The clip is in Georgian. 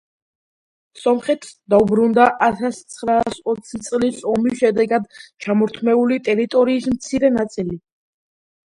სომხეთს დაუბრუნდა ათასცხრაასოცი წლის ომის შედეგად ჩამორთმეული ტერიტორიის მცირე ნაწილი